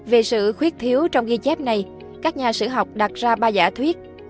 về sự khuyết thiếu trong ghi chép này các nhà sử học đặt ra ba giả thuyết